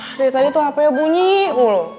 dari tadi tuh hapenya bunyi wuluh